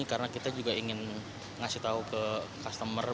karena kita juga ingin ngasih tahu ke customer